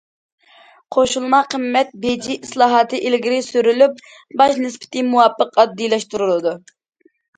قوشۇلما قىممەت بېجى ئىسلاھاتى ئىلگىرى سۈرۈلۈپ، باج نىسبىتى مۇۋاپىق ئاددىيلاشتۇرۇلىدۇ.